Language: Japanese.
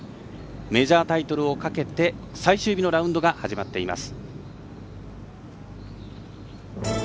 メジャータイトルをかけて最終日のラウンドが始まっています。